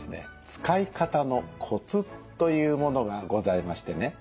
使い方のコツというものがございましてね。